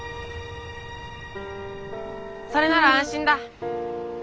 それなら安心だ。